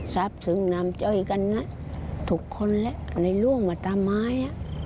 ทราบซึ้งนามเจ้ากันน่ะทุกคนละในหลวงมาทำไม่